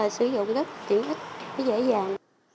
sử dụng rất tiện ích dễ dàng